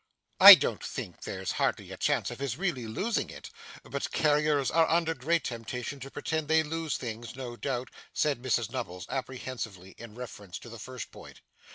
'I don't think there's hardly a chance of his really losing it, but carriers are under great temptation to pretend they lose things, no doubt,' said Mrs Nubbles apprehensively, in reference to the first point.